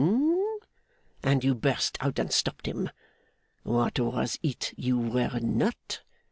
And you burst out and stopped him! What was it you were not?